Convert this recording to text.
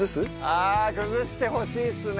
ああ崩してほしいですね。